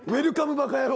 「バカ野郎」。